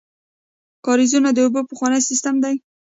کاریزونه د اوبو پخوانی سیسټم دی.